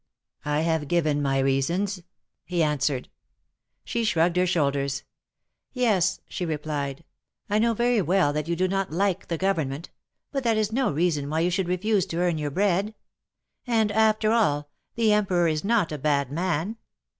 I have given my reasons," he answered. She shrugged her shoulders. ''Yes," she replied, " I know very well that you do not like the Government; but that is no reason why you should refuse to earn your bread. And, after all, the Emperor is not a bad man.